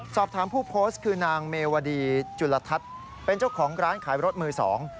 สอบถามผู้โพสต์คือนางเมวดีจุลทัศน์เป็นเจ้าของร้านขายรถมือสอง